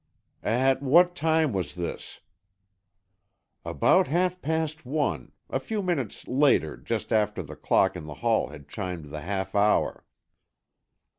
"At what time was this?" "About half past one; a few minutes later, just after the clock in the hall had chimed the half hour."